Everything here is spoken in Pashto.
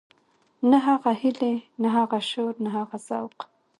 نه هغه هيلې نه هغه شور نه هغه ذوق.